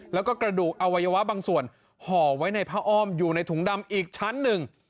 แล้วก็กระดูกอวัยวะบางส่วนห่อไว้ในผ้าอ้อมอยู่ในถุงดำอีกชั้นหนึ่ง